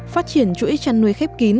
phát triển chuỗi chăn nuôi khép kín